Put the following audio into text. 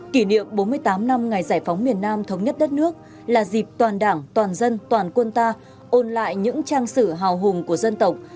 kỷ niệm bốn mươi tám năm ngày giải phóng miền nam thống nhất đất nước là dịp toàn đảng toàn dân toàn quân ta ôn lại những trang sử hào hùng của dân tộc